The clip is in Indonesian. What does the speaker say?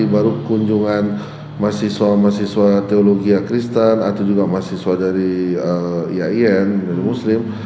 baru kunjungan mahasiswa mahasiswa teologi akristan atau juga mahasiswa dari iain dari muslim